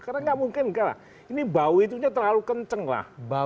karena gak mungkin ini bau itunya terlalu kenceng lah